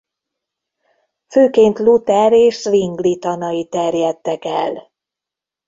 Főként Luther és Zwingli tanai terjedtek el.